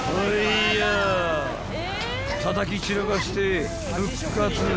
［たたき散らかして復活］